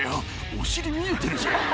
お尻見えてるじゃん。